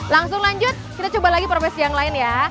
langsung lanjut kita coba lagi profesi yang lain ya